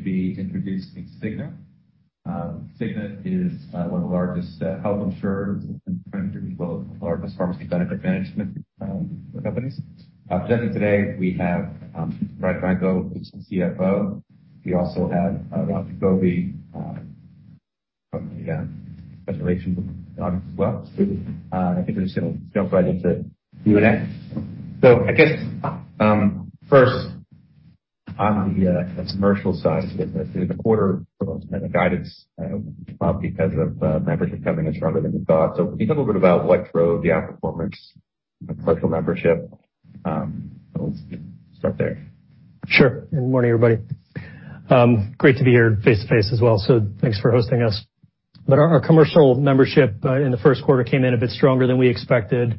To be introduced to Cigna. Cigna is one of the largest health insurers and the largest pharmacy benefit management companies. Presenting today, we have Brian Evanko, who's the CFO. We also have Ralph Giacobbe from the Investor Relations as well. I think we're just going to jump right into Q&A. I guess, first on the commercial side of the business, the quarter of guidance, because of the market becoming as relevant as we thought. Can you tell a little bit about what drove the performance and closed the membership? Let's start there. Sure. Good morning, everybody. Great to be here face-to-face as well. Thanks for hosting us. Our commercial membership in the first quarter came in a bit stronger than we expected.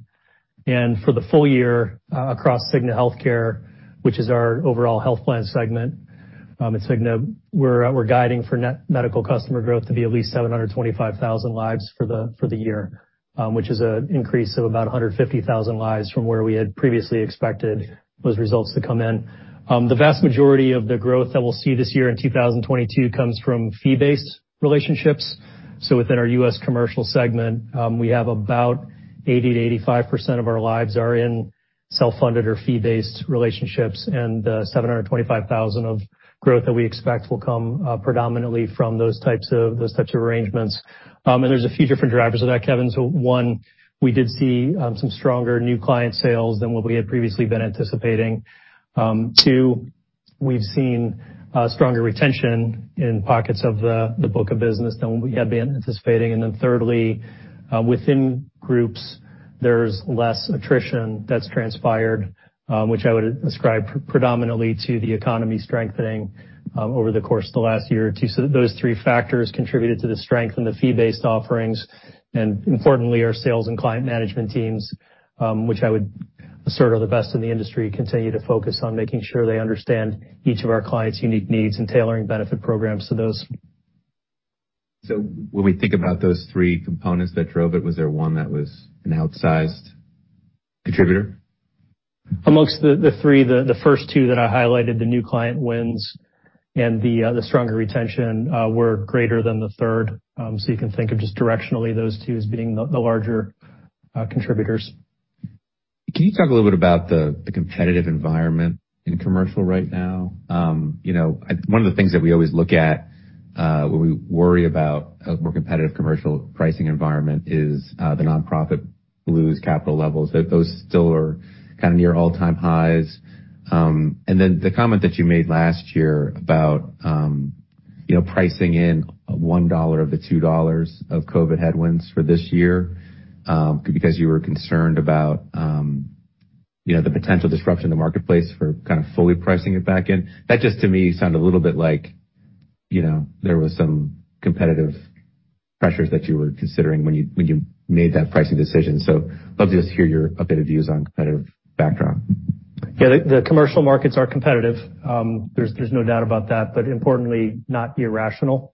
For the full year across Cigna Healthcare, which is our overall health plan segment at Cigna, we're guiding for net medical customer growth to be at least 725,000 lives for the year, which is an increase of about 150,000 lives from where we had previously expected those results to come in. The vast majority of the growth that we'll see this year in 2022 comes from fee-based relationships. Within our U.S. commercial segment, we have about 80%-85% of our lives in self-funded or fee-based relationships. The 725,000 of growth that we expect will come predominantly from those types of arrangements. There are a few different drivers of that, Kevin. One, we did see some stronger new client sales than what we had previously been anticipating. Two, we've seen stronger retention in pockets of the book of business than what we had been anticipating. Thirdly, within groups, there's less attrition that's transpired, which I would ascribe predominantly to the economy strengthening over the course of the last year or two. Those three factors contributed to the strength in the fee-based offerings. Importantly, our sales and client management teams, which I would assert are the best in the industry, continue to focus on making sure they understand each of our clients' unique needs and tailoring benefit programs to those. When we think about those three components that drove it, was there one that was an outsized contributor? Amongst the three, the first two that I highlighted, the new client wins and the stronger retention, were greater than the third. You can think of just directionally those two as being the larger contributors. Can you talk a little bit about the competitive environment in commercial right now? One of the things that we always look at when we worry about a more competitive commercial pricing environment is the nonprofit Blues capital levels. Those still are kind of near all-time highs. The comment that you made last year about pricing in $1 of the $2 of COVID headwinds for this year because you were concerned about the potential disruption in the marketplace for kind of fully pricing it back in just sounded a little bit like there were some competitive pressures that you were considering when you made that pricing decision. I'd love to just hear your updated views on the backdrop. Yeah, the commercial markets are competitive. There's no doubt about that. Importantly, not irrational.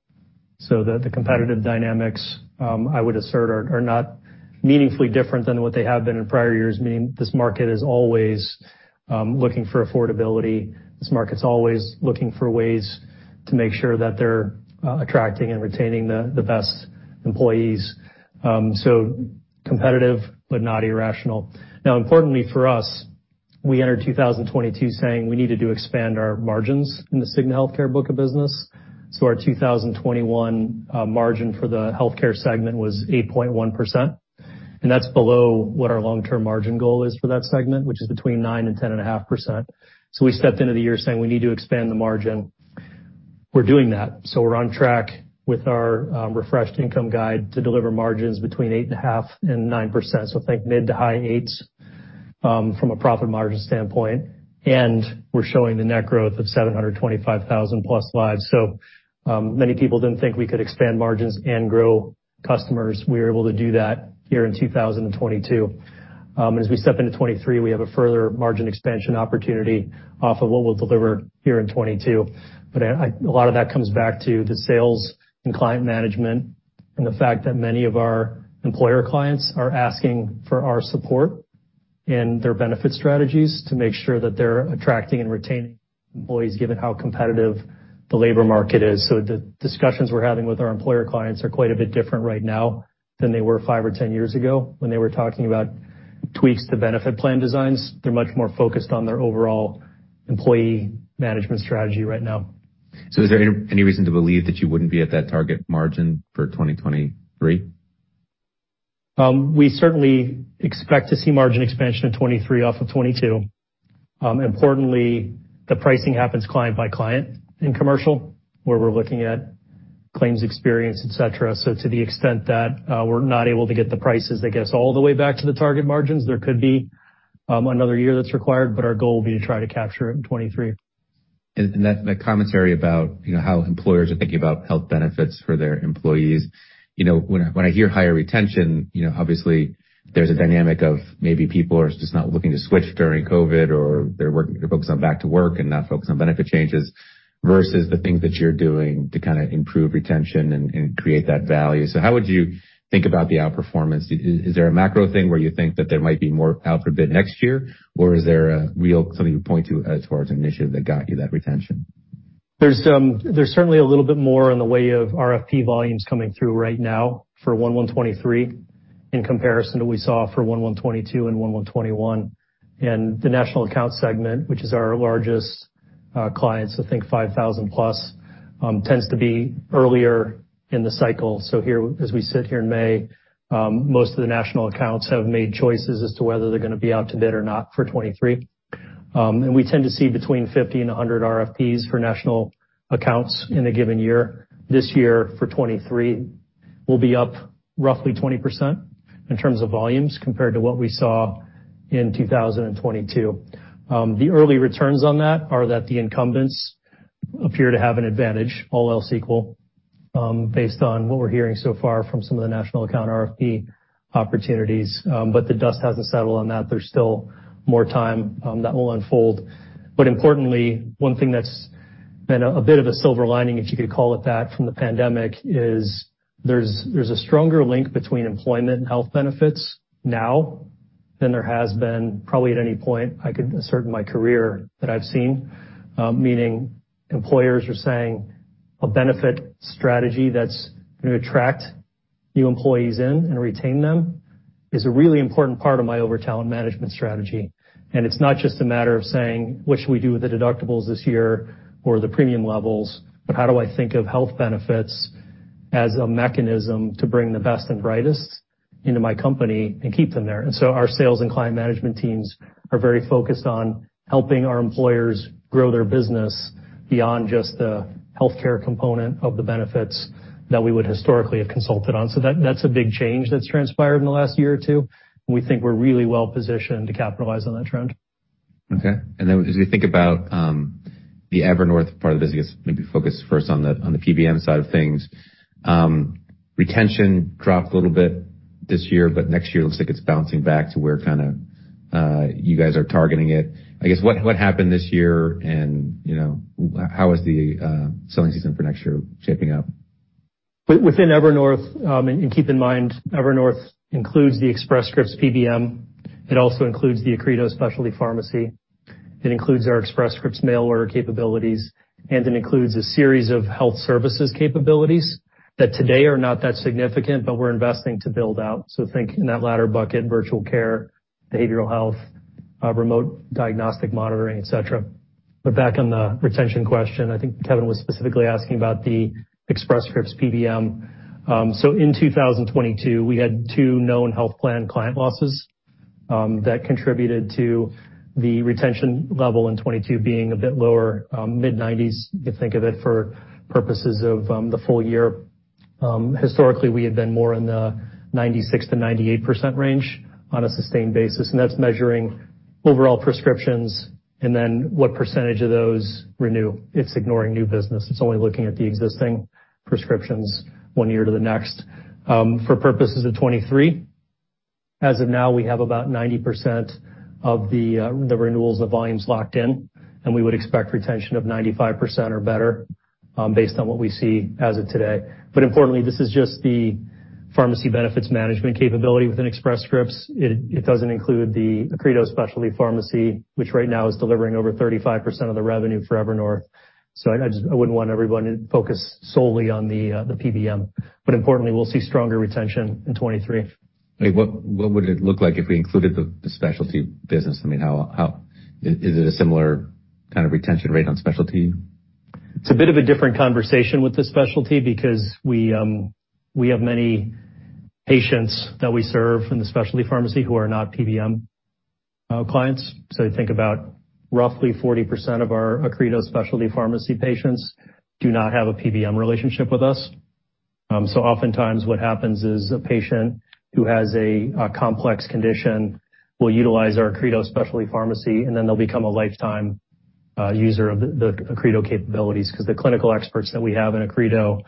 The competitive dynamics, I would assert, are not meaningfully different than what they have been in prior years, meaning this market is always looking for affordability. This market's always looking for ways to make sure that they're attracting and retaining the best employees. Competitive, but not irrational. Importantly for us, we entered 2022 saying we needed to expand our margins in the Cigna Healthcare book of business. Our 2021 margin for the healthcare segment was 8.1%. That's below what our long-term margin goal is for that segment, which is between 9% and 10.5%. We stepped into the year saying we need to expand the margin. We're doing that. We're on track with our refreshed income guide to deliver margins between 8.5% and 9%. Think mid to high 8s from a profit margin standpoint. We're showing the net growth of 725,000+ lives. Many people didn't think we could expand margins and grow customers. We were able to do that here in 2022. As we step into 2023, we have a further margin expansion opportunity off of what we'll deliver here in 2022. A lot of that comes back to the sales and client management and the fact that many of our employer clients are asking for our support in their benefit strategies to make sure that they're attracting and retaining employees given how competitive the labor market is. The discussions we're having with our employer clients are quite a bit different right now than they were five or ten years ago when they were talking about tweaks to benefit plan designs. They're much more focused on their overall employee management strategy right now. Is there any reason to believe that you wouldn't be at that target margin for 2023? We certainly expect to see margin expansion in 2023 off of 2022. Importantly, the pricing happens client by client in commercial, where we're looking at claims, experience, et cetera. To the extent that we're not able to get the prices, I guess, all the way back to the target margins, there could be another year that's required, but our goal will be to try to capture it in 2023. That commentary about how employers are thinking about health benefits for their employees. You know, when I hear higher retention, obviously there's a dynamic of maybe people are just not looking to switch during COVID or they're focused on back to work and not focused on benefit changes versus the things that you're doing to kind of improve retention and create that value. How would you think about the outperformance? Is there a macro thing where you think that there might be more out for bid next year? Is there something you point to as far as an initiative that got you that retention? There's certainly a little bit more in the way of RFP volumes coming through right now for 2023 in comparison to what we saw for 2022 and 2021. The national account segment, which is our largest clients, I think 5,000+, tends to be earlier in the cycle. Here, as we sit here in May, most of the national accounts have made choices as to whether they're going to be out to bid or not for 2023. We tend to see between 50 and 100 RFPs for national accounts in a given year. This year for 2023, we'll be up roughly 20% in terms of volumes compared to what we saw in 2022. The early returns on that are that the incumbents appear to have an advantage, all else equal, based on what we're hearing so far from some of the national account RFP opportunities. The dust hasn't settled on that. There's still more time that will unfold. Importantly, one thing that's been a bit of a silver lining, if you could call it that, from the pandemic is there's a stronger link between employment and health benefits now than there has been probably at any point I could assert in my career that I've seen. Meaning employers are saying a benefit strategy that's going to attract new employees in and retain them is a really important part of my overall talent management strategy. It's not just a matter of saying, what should we do with the deductibles this year or the premium levels, but how do I think of health benefits as a mechanism to bring the best and brightest into my company and keep them there? Our sales and client management teams are very focused on helping our employers grow their business beyond just the healthcare component of the benefits that we would historically have consulted on. That's a big change that's transpired in the last year or two. We think we're really well positioned to capitalize on that trend. Okay. As we think about the Evernorth part of the business, maybe focus first on the PBM side of things. Retention dropped a little bit this year, but next year it looks like it's bouncing back to where you guys are targeting it. I guess what happened this year, and how is the selling season for next year shaping up? Within Evernorth, and keep in mind, Evernorth includes the Express Scripts PBM. It also includes the Accredo Specialty Pharmacy. It includes our Express Scripts mail order capabilities, and it includes a series of health services capabilities that today are not that significant, but we're investing to build out. Think in that latter bucket: virtual care, behavioral health, remote diagnostic monitoring, et cetera. Back on the retention question, I think Kevin was specifically asking about the Express Scripts PBM. In 2022, we had two known health plan client losses that contributed to the retention level in 2022 being a bit lower, mid 90s, if you think of it for purposes of the full year. Historically, we had been more in the 96%-98% range on a sustained basis. That's measuring overall prescriptions and then what percentage of those renew. It's ignoring new business. It's only looking at the existing prescriptions one year to the next. For purposes of 2023, as of now, we have about 90% of the renewals of volumes locked in, and we would expect retention of 95% or better based on what we see as of today. Importantly, this is just the pharmacy benefit management capability within Express Scripts. It doesn't include the Accredo Specialty Pharmacy, which right now is delivering over 35% of the revenue for Evernorth. I wouldn't want everyone to focus solely on the PBM. Importantly, we'll see stronger retention in 2023. What would it look like if we included the specialty pharmacy business? I mean, is it a similar kind of retention rate on specialty? It's a bit of a different conversation with the specialty because we have many patients that we serve in the specialty pharmacy who are not PBM clients. I think about roughly 40% of our Accredo Specialty Pharmacy patients do not have a PBM relationship with us. Oftentimes, what happens is a patient who has a complex condition will utilize our Accredo Specialty Pharmacy, and then they'll become a lifetime user of the Accredo capabilities because the clinical experts that we have in Accredo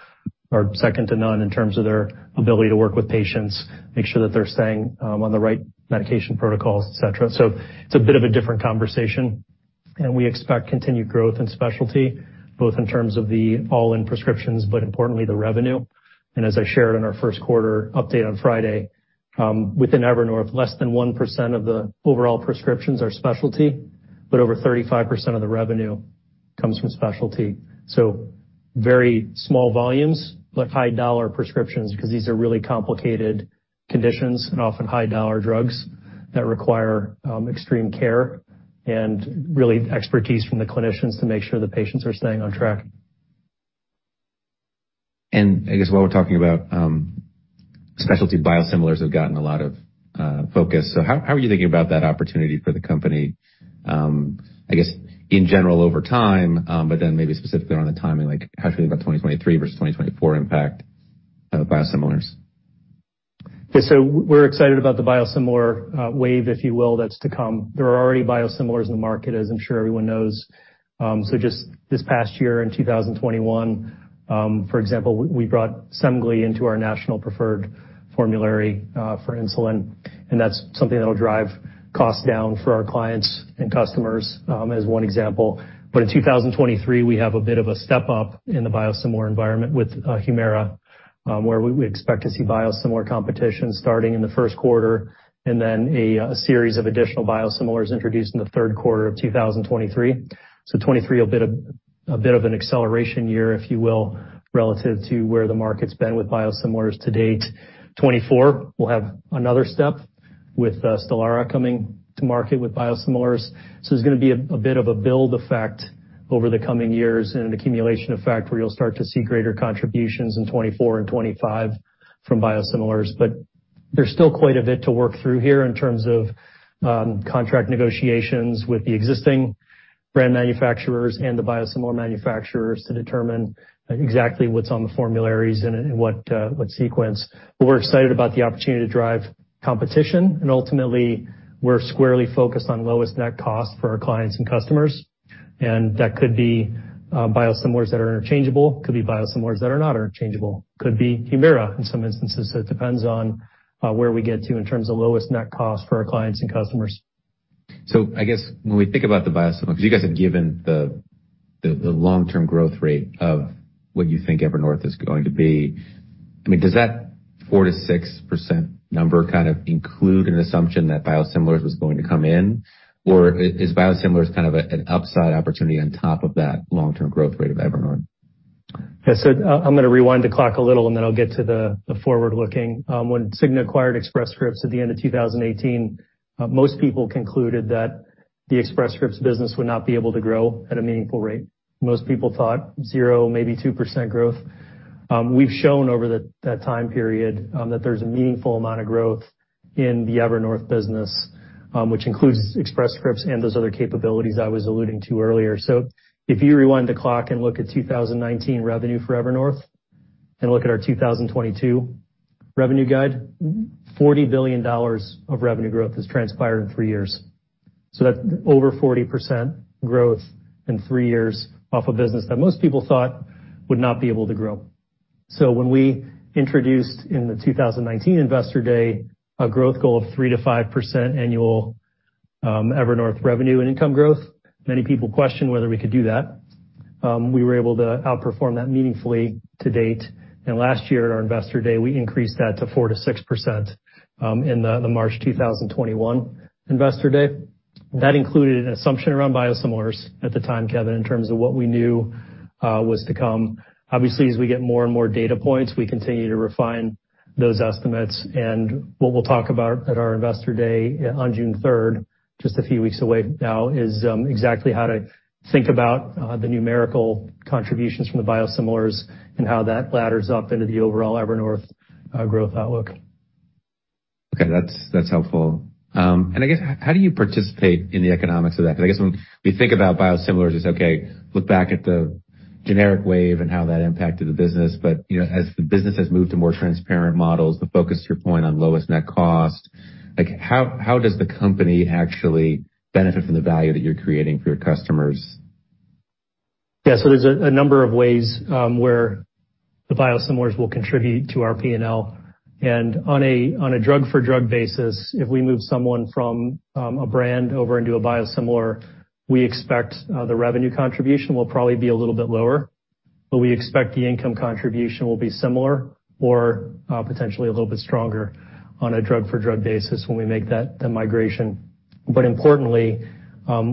are second to none in terms of their ability to work with patients, make sure that they're staying on the right medication protocols, et cetera. It's a bit of a different conversation. We expect continued growth in specialty, both in terms of the all-in prescriptions, but importantly, the revenue. As I shared in our first quarter update on Friday, within Evernorth, less than 1% of the overall prescriptions are specialty, but over 35% of the revenue comes from specialty. Very small volumes, but high-dollar prescriptions because these are really complicated conditions and often high-dollar drugs that require extreme care and really expertise from the clinicians to make sure the patients are staying on track. While we're talking about specialty, biosimilars have gotten a lot of focus. How are you thinking about that opportunity for the company? In general over time, but then maybe specifically on the timing, how do you think about 2023 versus 2024 impact of biosimilars? Okay, so we're excited about the biosimilar wave, if you will, that's to come. There are already biosimilars in the market, as I'm sure everyone knows. Just this past year in 2021, for example, we brought Semglee into our national preferred formulary for insulin, and that's something that'll drive costs down for our clients and customers as one example. In 2023, we have a bit of a step up in the biosimilar environment with Humira, where we expect to see biosimilar competition starting in the first quarter and then a series of additional biosimilars introduced in the third quarter of 2023. 2023 will be a bit of an acceleration year, if you will, relative to where the market's been with biosimilars to date. 2024 will have another step with Stelara coming to market with biosimilars. There's going to be a bit of a build effect over the coming years and an accumulation effect where you'll start to see greater contributions in 2024 and 2025 from biosimilars. There's still quite a bit to work through here in terms of contract negotiations with the existing brand manufacturers and the biosimilar manufacturers to determine exactly what's on the formularies and what sequence. We're excited about the opportunity to drive competition. Ultimately, we're squarely focused on lowest net cost for our clients and customers. That could be biosimilars that are interchangeable, could be biosimilars that are not interchangeable, could be Humira in some instances. It depends on where we get to in terms of lowest net cost for our clients and customers. I guess when we think about the biosimilar, because you guys have given the long-term growth rate of what you think Evernorth is going to be, does that 4%-6% number kind of include an assumption that biosimilars was going to come in? Or is biosimilars kind of an upside opportunity on top of that long-term growth rate of Evernorth? Yeah, so I'm going to rewind the clock a little, and then I'll get to the forward-looking. When Cigna acquired Express Scripts at the end of 2018, most people concluded that the Express Scripts business would not be able to grow at a meaningful rate. Most people thought zero, maybe 2% growth. We've shown over that time period that there's a meaningful amount of growth in the Evernorth business, which includes Express Scripts and those other capabilities I was alluding to earlier. If you rewind the clock and look at 2019 revenue for Evernorth and look at our 2022 revenue guide, $40 billion of revenue growth has transpired in three years. That's over 40% growth in three years off a business that most people thought would not be able to grow. When we introduced in the 2019 Investor Day a growth goal of 3%-5% annual Evernorth revenue and income growth, many people questioned whether we could do that. We were able to outperform that meaningfully to date. Last year at our Investor Day, we increased that to 4%-6% in the March 2021 Investor Day. That included an assumption around biosimilars at the time, Kevin, in terms of what we knew was to come. Obviously, as we get more and more data points, we continue to refine those estimates. What we'll talk about at our Investor Day on June 3rd, just a few weeks away now, is exactly how to think about the numerical contributions from the biosimilars and how that ladders up into the overall Evernorth growth outlook. Okay, that's helpful. I guess how do you participate in the economics of that? Because I guess when we think about biosimilars, it's okay, look back at the generic wave and how that impacted the business. As the business has moved to more transparent models, the focus to your point on lowest net cost, how does the company actually benefit from the value that you're creating for your customers? Yeah, there are a number of ways where the biosimilars will contribute to our P&L. On a drug-for-drug basis, if we move someone from a brand over into a biosimilar, we expect the revenue contribution will probably be a little bit lower, but we expect the income contribution will be similar or potentially a little bit stronger on a drug-for-drug basis when we make that migration. Importantly,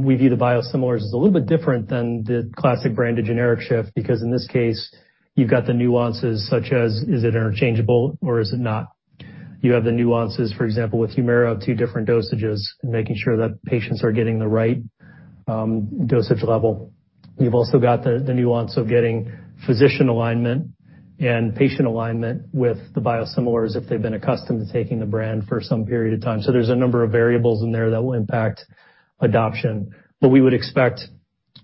we view the biosimilars as a little bit different than the classic branded generic shift because in this case, you've got the nuances such as is it interchangeable or is it not. You have the nuances, for example, with Humira of two different dosages and making sure that patients are getting the right dosage level. You've also got the nuance of getting physician alignment and patient alignment with the biosimilars if they've been accustomed to taking the brand for some period of time. There are a number of variables in there that will impact adoption. We would expect,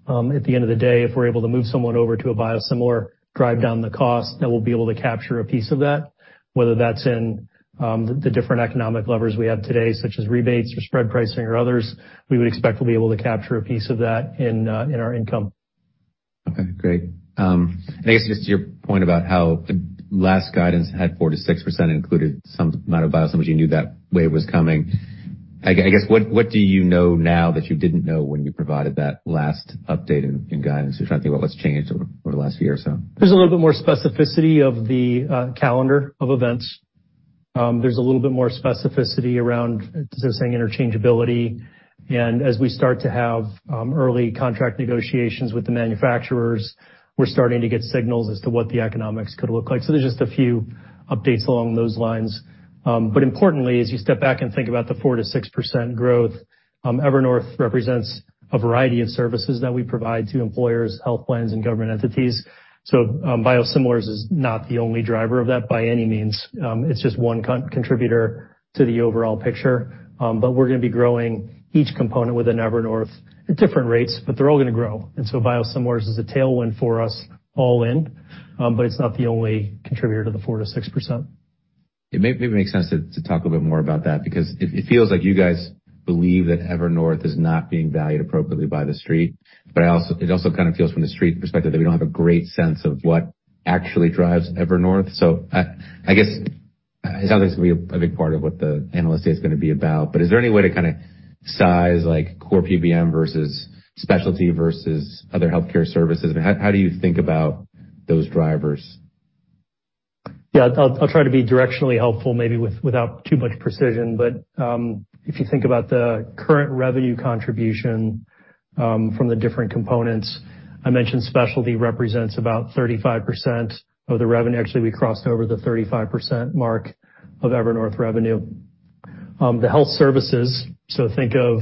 at the end of the day, if we're able to move someone over to a biosimilar, drive down the cost, that we'll be able to capture a piece of that. Whether that's in the different economic levers we have today, such as rebates or spread pricing or others, we would expect we'll be able to capture a piece of that in our income. Okay, great. I guess just to your point about how the last guidance had 4%-6% included some amount of biosimilars, you knew that wave was coming. I guess what do you know now that you didn't know when you provided that last update in guidance? You're trying to think about what's changed over the last year or so. There's a little bit more specificity of the calendar of events. There's a little bit more specificity around, as I was saying, interchangeability. As we start to have early contract negotiations with the manufacturers, we're starting to get signals as to what the economics could look like. There's just a few updates along those lines. Importantly, as you step back and think about the 4%-6% growth, Evernorth represents a variety of services that we provide to employers, health plans, and government entities. Biosimilars is not the only driver of that by any means. It's just one contributor to the overall picture. We're going to be growing each component within Evernorth at different rates, but they're all going to grow. Biosimilars is a tailwind for us all in, but it's not the only contributor to the 4%-6%. It maybe makes sense to talk a little bit more about that because it feels like you guys believe that Evernorth is not being valued appropriately by the street. It also kind of feels from the street perspective that we don't have a great sense of what actually drives Evernorth. I guess it sounds like it's going to be a big part of what the analysts say it's going to be about. Is there any way to kind of size like core PBM versus specialty versus other health services? How do you think about those drivers? Yeah, I'll try to be directionally helpful maybe without too much precision. If you think about the current revenue contribution from the different components, I mentioned specialty represents about 35% of the revenue. Actually, we crossed over the 35% mark of Evernorth revenue. The health services, so think of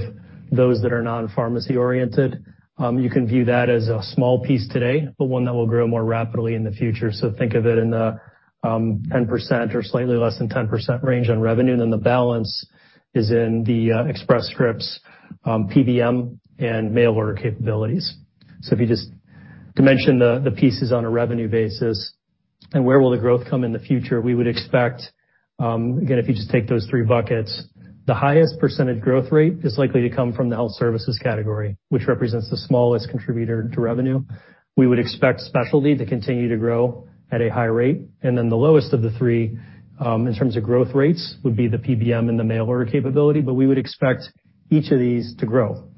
those that are non-pharmacy oriented, you can view that as a small piece today, but one that will grow more rapidly in the future. Think of it in the 10% or slightly less than 10% range on revenue. The balance is in the Express Scripts PBM and mail order capabilities. If you just dimension the pieces on a revenue basis and where the growth will come in the future, we would expect, again, if you just take those three buckets, the highest percentage growth rate is likely to come from the health services category, which represents the smallest contributor to revenue. We would expect specialty to continue to grow at a high rate. The lowest of the three in terms of growth rates would be the PBM and the mail order capability. We would expect each of these to grow.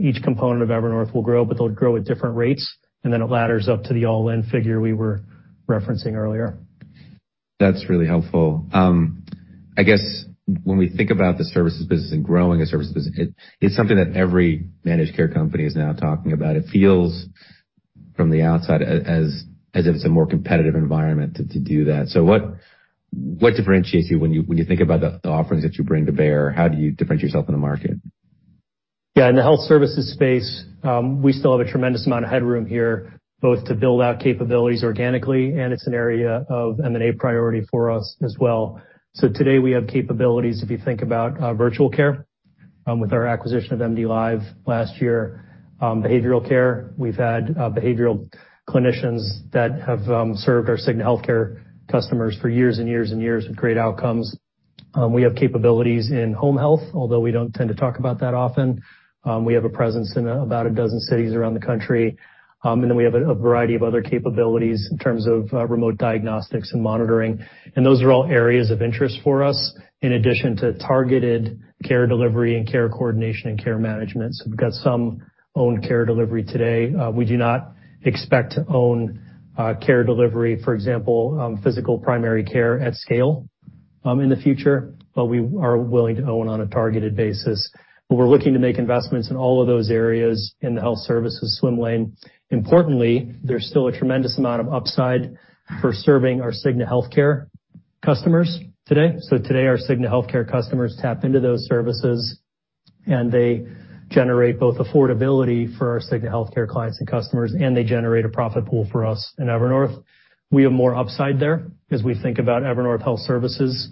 Each component of Evernorth will grow, but they'll grow at different rates. It ladders up to the all-in figure we were referencing earlier. That's really helpful. I guess when we think about the services business and growing a services business, it's something that every managed care company is now talking about. It feels from the outside as if it's a more competitive environment to do that. What differentiates you when you think about the offerings that you bring to bear? How do you differentiate yourself in the market? Yeah, in the health services space, we still have a tremendous amount of headroom here, both to build out capabilities organically, and it's an area of M&A priority for us as well. Today we have capabilities, if you think about virtual care, with our acquisition of MDLive last year. Behavioral care, we've had behavioral clinicians that have served our Cigna Healthcare customers for years and years and years with great outcomes. We have capabilities in home health, although we don't tend to talk about that often. We have a presence in about a dozen cities around the country. We have a variety of other capabilities in terms of remote diagnostics and monitoring. Those are all areas of interest for us, in addition to targeted care delivery and care coordination and care management. We've got some owned care delivery today. We do not expect to own care delivery, for example, physical primary care at scale in the future, but we are willing to own on a targeted basis. We're looking to make investments in all of those areas in the health services swim lane. Importantly, there's still a tremendous amount of upside for serving our Cigna Healthcare customers today. Our Cigna Healthcare customers tap into those services, and they generate both affordability for our Cigna Healthcare clients and customers, and they generate a profit pool for us. In Evernorth, we have more upside there as we think about Evernorth Health Services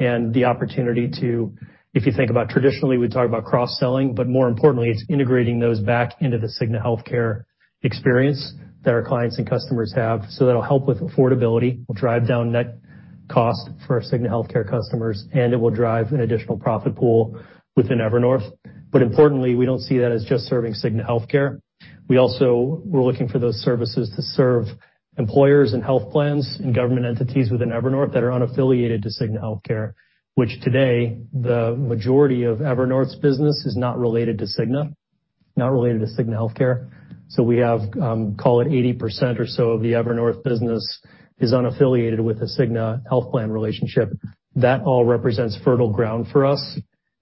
and the opportunity to, if you think about traditionally, we talk about cross-selling, but more importantly, it's integrating those back into the Cigna Healthcare experience that our clients and customers have. That'll help with affordability. We'll drive down net cost for our Cigna Healthcare customers, and it will drive an additional profit pool within Evernorth. Importantly, we don't see that as just serving Cigna Healthcare. We also are looking for those services to serve employers and health plans and government entities within Evernorth that are unaffiliated to Cigna Healthcare, which today the majority of Evernorth's business is not related to Cigna, not related to Cigna Healthcare. We have, call it 80% or so of the Evernorth business is unaffiliated with a Cigna Health Plan relationship. That all represents fertile ground for us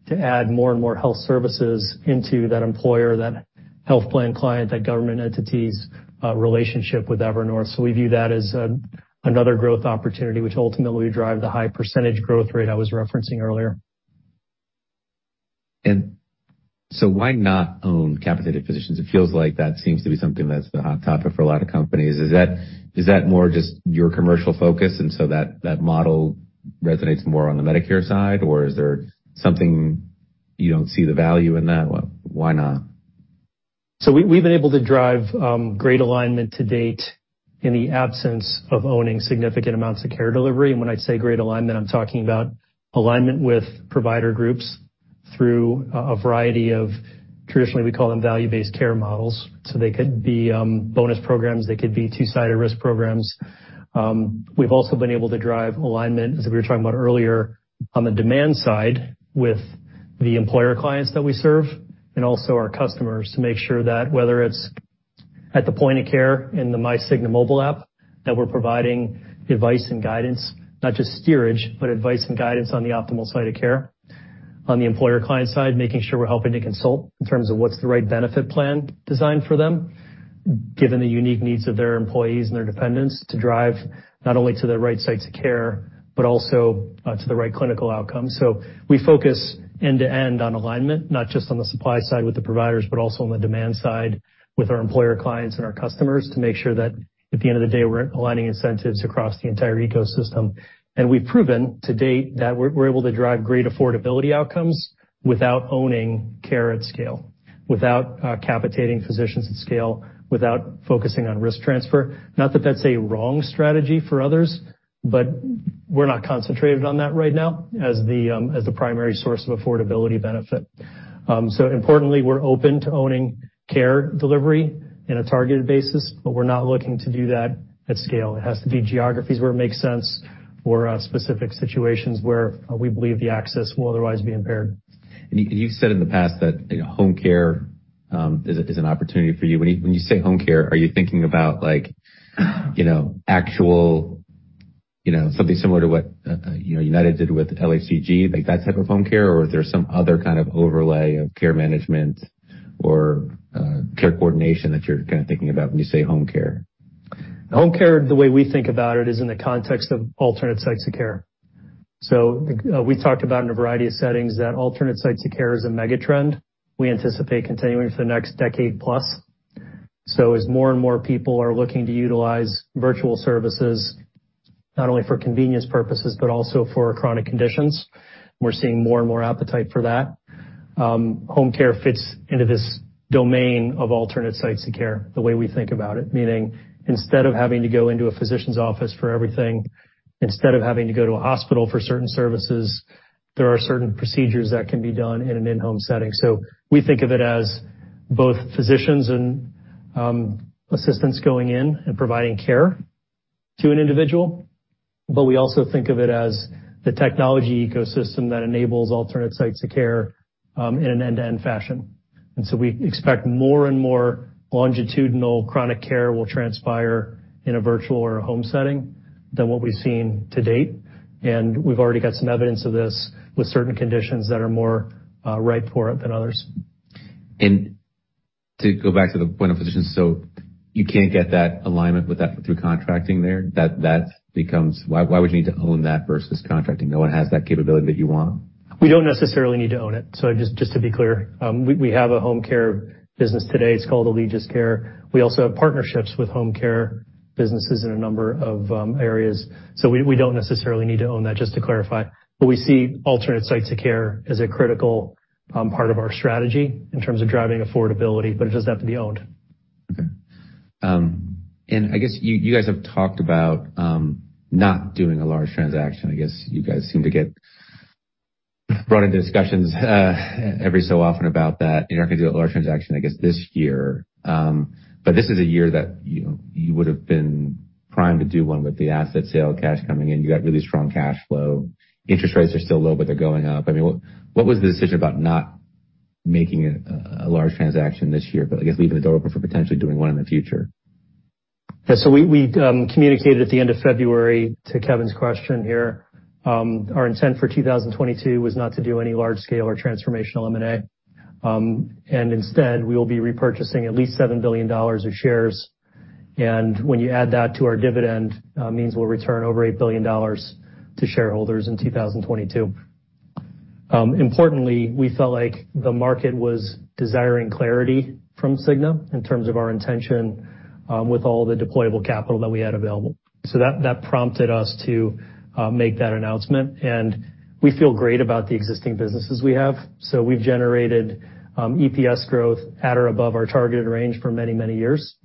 to add more and more health services into that employer, that health plan client, that government entity's relationship with Evernorth. We view that as another growth opportunity, which ultimately would drive the high percentage growth rate I was referencing earlier. Why not own capitated physicians? It feels like that seems to be something that's the hot topic for a lot of companies. Is that more just your commercial focus, and that model resonates more on the Medicare side, or is there something you don't see the value in that? Why not? We have been able to drive great alignment to date in the absence of owning significant amounts of care delivery. When I say great alignment, I am talking about alignment with provider groups through a variety of, traditionally, we call them value-based care models. They could be bonus programs or two-sided risk programs. We have also been able to drive alignment, as we were talking about earlier, on the demand side with the employer clients that we serve and also our customers to make sure that whether it is at the point of care in the My Cigna mobile app, we are providing advice and guidance, not just steerage, but advice and guidance on the optimal site of care. On the employer client side, we are making sure we are helping to consult in terms of what is the right benefit plan design for them, given the unique needs of their employees and their dependents, to drive not only to the right sites of care but also to the right clinical outcomes. We focus end-to-end on alignment, not just on the supply side with the providers, but also on the demand side with our employer clients and our customers to make sure that at the end of the day, we are aligning incentives across the entire ecosystem. We have proven to date that we are able to drive great affordability outcomes without owning care at scale, without capitating physicians at scale, without focusing on risk transfer. Not that that is a wrong strategy for others, but we are not concentrated on that right now as the primary source of affordability benefit. Importantly, we are open to owning care delivery on a targeted basis, but we are not looking to do that at scale. It has to be geographies where it makes sense or specific situations where we believe the access will otherwise be impaired. You have said in the past that home care is an opportunity for you. When you say home care, are you thinking about something similar to what UnitedHealth did with LHCG, like that type of home care, or is there some other kind of overlay of care management or care coordination that you're thinking about when you say home care? Home care, the way we think about it is in the context of alternate sites of care. We talked about in a variety of settings that alternate sites of care is a mega trend. We anticipate continuing for the next decade plus. As more and more people are looking to utilize virtual services, not only for convenience purposes, but also for chronic conditions, we're seeing more and more appetite for that. Home care fits into this domain of alternate sites of care, the way we think about it. Meaning, instead of having to go into a physician's office for everything, instead of having to go to a hospital for certain services, there are certain procedures that can be done in an in-home setting. We think of it as both physicians and assistants going in and providing care to an individual. We also think of it as the technology ecosystem that enables alternate sites of care in an end-to-end fashion. We expect more and more longitudinal chronic care will transpire in a virtual or a home setting than what we've seen to date. We've already got some evidence of this with certain conditions that are more ripe for it than others. To go back to the point of physicians, you can't get that alignment with that through contracting there. That becomes, why would you need to own that versus contracting? No one has that capability that you want. We don't necessarily need to own it. Just to be clear, we have a home care business today. It's called Alegis Care. We also have partnerships with home care businesses in a number of areas. We don't necessarily need to own that, just to clarify. We see alternate sites of care as a critical part of our strategy in terms of driving affordability, but it does have to be owned. Okay. I guess you guys have talked about not doing a large transaction. You seem to get run into discussions every so often about that. You're not going to do a large transaction this year. This is a year that you would have been primed to do one with the asset sale, cash coming in. You got really strong cash flow. Interest rates are still low, but they're going up. What was the decision about not making a large transaction this year, leaving the door open for potentially doing one in the future? Yeah, we communicated at the end of February to Kevin's question here. Our intent for 2022 was not to do any large-scale or transformational M&A. Instead, we will be repurchasing at least $7 billion of shares. When you add that to our dividend, it means we'll return over $8 billion to shareholders in 2022. Importantly, we felt like the market was desiring clarity from Cigna in terms of our intention with all the deployable capital that we had available. That prompted us to make that announcement. We feel great about the existing businesses we have. We've generated EPS growth at or above our targeted range for many, many years.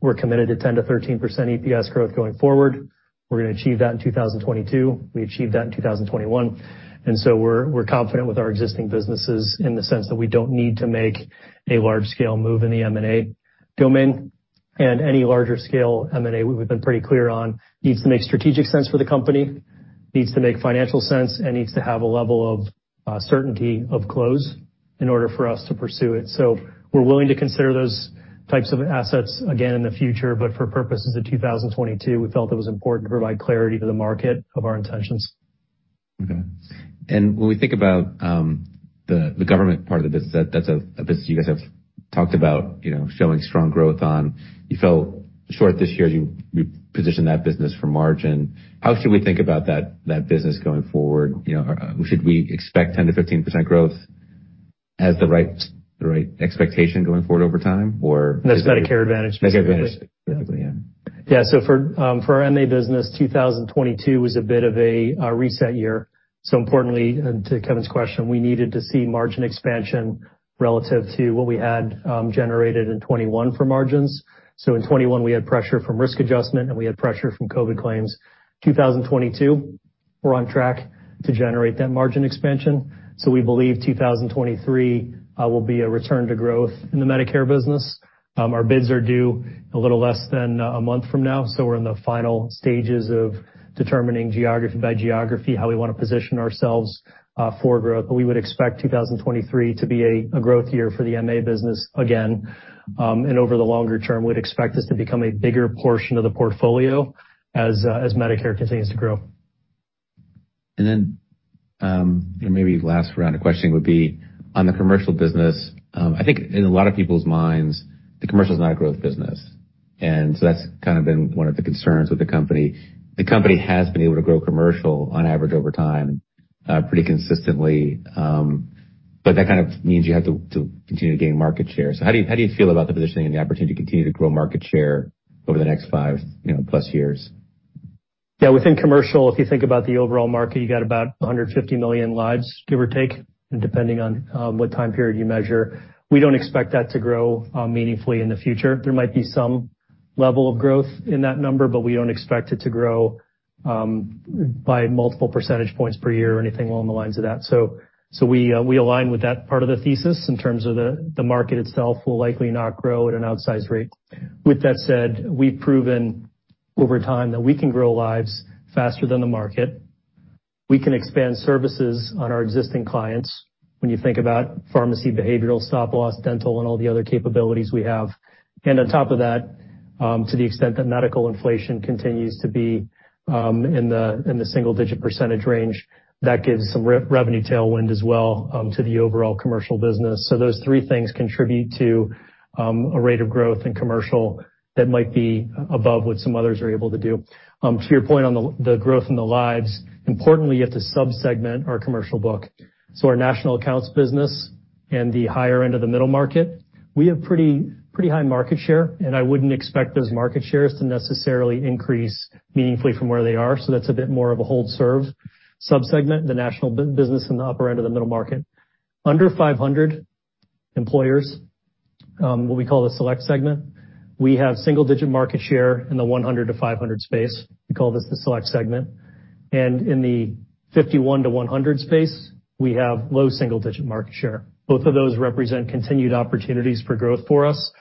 We're committed to 10%-13% EPS growth going forward. We're going to achieve that in 2022. We achieved that in 2021. We're confident with our existing businesses in the sense that we don't need to make a large-scale move in the M&A domain. Any larger-scale M&A, we've been pretty clear on, needs to make strategic sense for the company, needs to make financial sense, and needs to have a level of certainty of close in order for us to pursue it. We're willing to consider those types of assets again in the future, but for purposes of 2022, we felt it was important to provide clarity to the market of our intentions. Okay. When we think about the government part of the business, that's a business you guys have talked about showing strong growth on. You fell short this year as you repositioned that business for margin. How should we think about that business going forward? Should we expect 10%-15% growth as the right expectation going forward over time or? That's Medicare Advantage. Medicare Advantage. Yeah, for our Medicare Advantage business, 2022 was a bit of a reset year. Importantly, to Kevin's question, we needed to see margin expansion relative to what we had generated in 2021 for margins. In 2021, we had pressure from risk adjustment and we had pressure from COVID claims. In 2022, we're on track to generate that margin expansion. We believe 2023 will be a return to growth in the Medicare business. Our bids are due a little less than a month from now. We're in the final stages of determining geography by geography how we want to position ourselves for growth. We would expect 2023 to be a growth year for the MA business again. Over the longer term, we'd expect this to become a bigger portion of the portfolio as Medicare continues to grow. Maybe the last round of questions would be on the commercial business. I think in a lot of people's minds, commercial is not a growth business, and that's kind of been one of the concerns with the company. The company has been able to grow commercial on average over time pretty consistently. That kind of means you have to continue to gain market share. How do you feel about the positioning and the opportunity to continue to grow market share over the next five plus years? Yeah, within commercial, if you think about the overall market, you've got about 150 million lives, give or take, depending on what time period you measure. We don't expect that to grow meaningfully in the future. There might be some level of growth in that number, but we don't expect it to grow by multiple percentage points per year or anything along the lines of that. We align with that part of the thesis in terms of the market itself will likely not grow at an outsized rate. With that said, we've proven over time that we can grow lives faster than the market. We can expand services on our existing clients when you think about pharmacy, behavioral, stop loss, dental, and all the other capabilities we have. On top of that, to the extent that medical inflation continues to be in the single-digit percentage range, that gives some revenue tailwind as well to the overall commercial business. Those three things contribute to a rate of growth in commercial that might be above what some others are able to do. To your point on the growth in the lives, importantly, you have to subsegment our commercial book. Our national accounts business and the higher end of the middle market, we have pretty high market share, and I wouldn't expect those market shares to necessarily increase meaningfully from where they are. That's a bit more of a hold serve subsegment, the national business and the upper end of the middle market. Under 500 employers, what we call the select segment, we have single-digit market share in the 100-500 space. We call this the select segment. In the 51-100 space, we have low single-digit market share. Both of those represent continued opportunities for growth for us,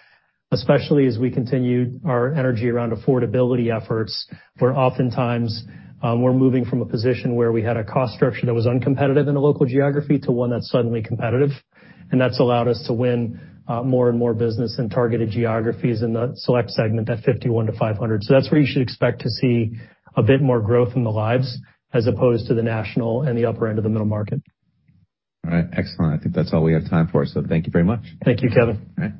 especially as we continue our energy around affordability efforts, where oftentimes we're moving from a position where we had a cost structure that was uncompetitive in a local geography to one that's suddenly competitive. That's allowed us to win more and more business in targeted geographies in the select segment at 51-500. That's where you should expect to see a bit more growth in the lives as opposed to the national and the upper end of the middle market. All right, excellent. I think that's all we have time for. Thank you very much. Thank you, Kevin. All right.